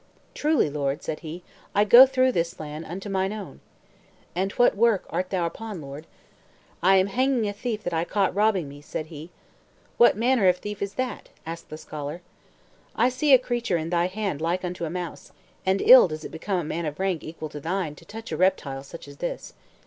"Truly, lord," said he, "I go through this land unto mine own. And what work art thou upon, lord?" "I am hanging a thief that I caught robbing me," said he. "What manner of thief is that?" asked the scholar. "I see a creature in thy hand like unto a mouse, and ill does it become a man of rank equal to thine to touch a reptile such as this.